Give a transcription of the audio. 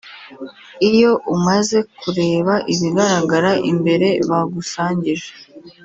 iyo umaze kureba ibigaragara imbere bagusangije